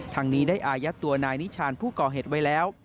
ทางนี้ได้อายัดตัวนายนิชานผู้ก่อเหตุไว้แล้ว